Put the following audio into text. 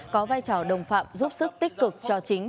có vai trò đồng phạm giúp sức tích cực cho chính